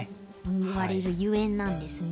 いわれるゆえんなんですね。